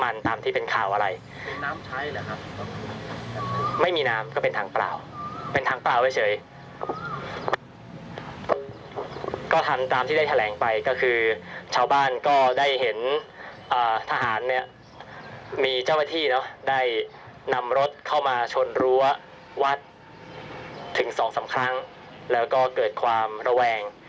วัดถึง๒๓ครั้งแล้วก็เกิดความระแวง